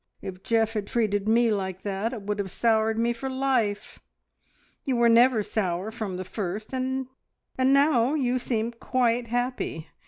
If Geoff had treated me like that, it would have soured me for life. You were never sour from the first, and now you seem quite happy.